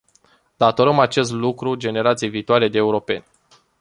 Datorăm acest lucru generației viitoare de europeni.